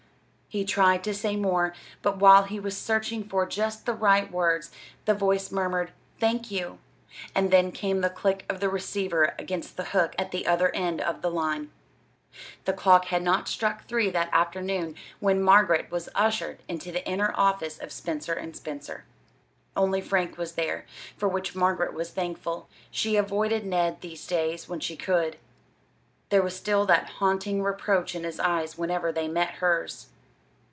He tried to say more, but while he was searching for just the right words, the voice murmured, "Thank you"; and then came the click of the receiver against the hook at the other end of the line. The clock had not struck three that afternoon when Margaret was ushered into the inner office of Spencer & Spencer. Only Frank was there, for which Margaret was thankful. She avoided Ned these days when she could. There was still that haunting reproach in his eyes whenever they met hers.